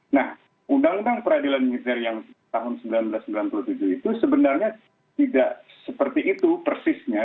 nah undang undang peradilan militer yang tahun seribu sembilan ratus sembilan puluh tujuh itu sebenarnya tidak seperti itu persisnya